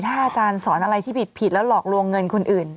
ถ้าอาจารย์สอนอะไรที่ผิดแล้วหลอกลวงเงินคนอื่น